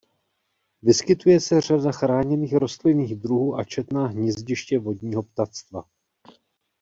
Vyskytuje se řada chráněných rostlinných druhů a četná hnízdiště vodního ptactva.